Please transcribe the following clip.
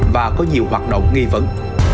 và có nhiều hoạt động nghi vấn